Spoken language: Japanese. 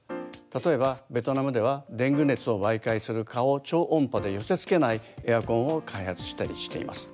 例えばベトナムではデング熱を媒介する蚊を超音波で寄せつけないエアコンを開発したりしています。